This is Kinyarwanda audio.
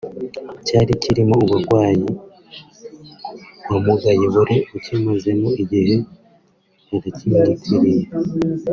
cyari kirimo umurwayi wamugaye wari ukimazemo igihe baracyimwitiriye